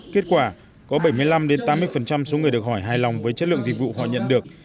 kết quả có bảy mươi năm tám mươi số người được hỏi hài lòng với chất lượng dịch vụ họ nhận được